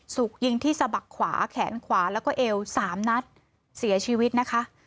ถูกยิงที่สะบักขวาแขนขวาแล้วก็เอว๓นัดเสียชีวิตนะคะ